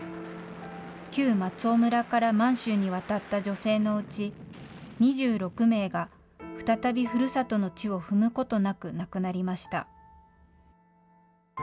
旧松尾村から満州に渡った女性のうち、２６名が再びふるさとの地を踏むことなく亡くなりました。